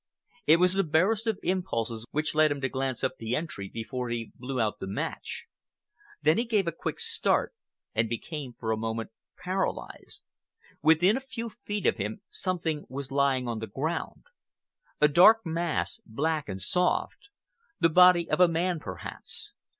It was the barest of impulses which led him to glance up the entry before he blew out the match. Then he gave a quick start and became for a moment paralyzed. Within a few feet of him something was lying on the ground—a dark mass, black and soft—the body of a man, perhaps.